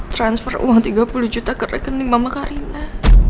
transfer uang tiga puluh juta ke rekening mama karina